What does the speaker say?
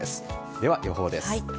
では、予報です。